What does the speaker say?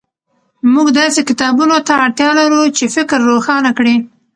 موږ داسې کتابونو ته اړتیا لرو چې فکر روښانه کړي.